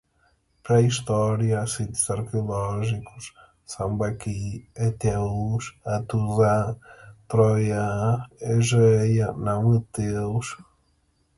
pré-história, sítios arqueológicos, sambaqui, heteus, Hatusa, Troia, egeia, não-heteus